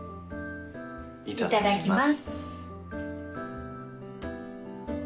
いただきます。